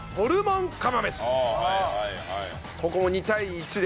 ここも２対１で。